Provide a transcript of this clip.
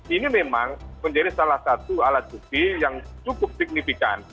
ini memang menjadi salah satu alat bukti yang cukup signifikan